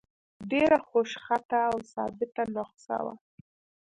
ډېره خوشخطه او ثابته نسخه وه.